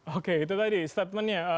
oke itu tadi statementnya